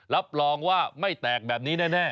รับรองว่าไม่แตกแบบนี้แน่